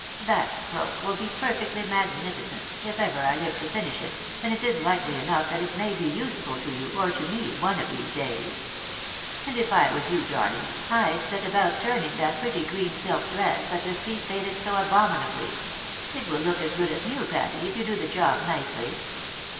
That cloak will be perfectly magnificent, if ever I live to finish it, and it is Kkely enough that it may be useful to you, or to me, one of these days. And if I was you, darhng, I'd set about turning that pretty green silk dress that the sea faded so abomi nably ; it will look as good as new, Patty, if you do the job nicely."